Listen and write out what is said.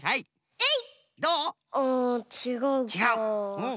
えい！